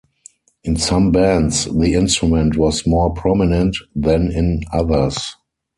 In some bands, the instrument was more prominent, than in others.